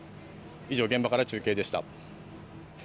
以上、現場から中継でした。